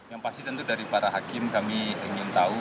yang pasti tentu dari para hakim kami ingin tahu